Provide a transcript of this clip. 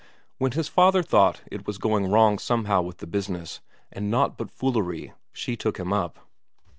When his father thought it was going wrong somehow with the business, and naught but foolery, she took him up.